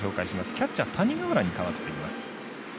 キャッチャー、谷川原に代わっています。